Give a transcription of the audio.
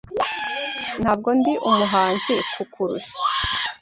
Ntabwo ndi umuhanzi kukurusha.